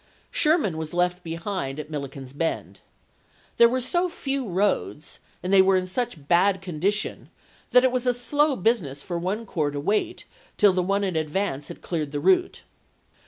Sher man was left behind at Milliken's Bend. There were so few roads, and they were in such bad con dition, that it was a slow business for one corps to wait till the one in advance had cleared the route.